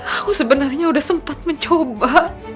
aku sebenarnya udah sempat mencoba